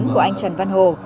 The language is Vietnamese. của anh trần văn hồ